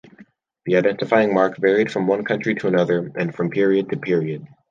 The identifying mark varied from one country to another, and from period to period.